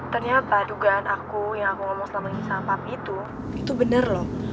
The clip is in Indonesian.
ternyata dugaan aku yang aku ngomong sama isha dan papi itu itu bener loh